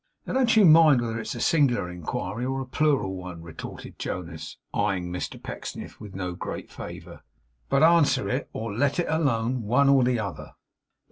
'Now, don't you mind whether it's a singular inquiry or a plural one,' retorted Jonas, eyeing Mr Pecksniff with no great favour, 'but answer it, or let it alone. One or the other.